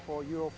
kami sudah siap